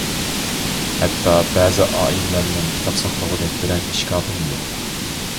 ھەتتا بەزى ئائىلىلەرنىڭ كىتاب ساقلىغۇدەك بىرەر ئىشكاپىمۇ يوق.